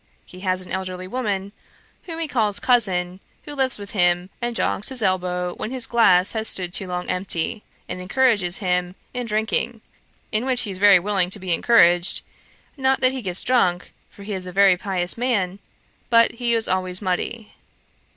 He has an elderly woman, whom he calls cousin, who lives with him, and jogs his elbow when his glass has stood too long empty, and encourages him in drinking, in which he is very willing to be encouraged; not that he gets drunk, for he is a very pious man, but he is always muddy.